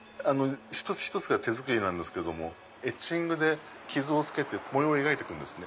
一つ一つが手作りなんですけどエッチングで傷をつけて模様を描いていくんですね。